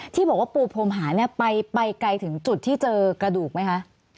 ที่บอกว่าปูพรมหาเนี่ยไปไกลถึงจุดที่เจอกระดูกไหมคะ